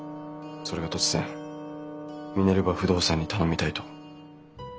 それが突然ミネルヴァ不動産に頼みたいと。